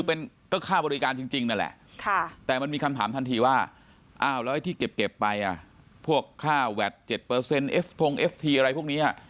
พวกค่าแวด๗เปอร์เซ็นต์เอฟทรงเอฟทีอะไรพวกนี้